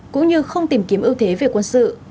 cũng như không tìm kiếm ưu thế về quân sự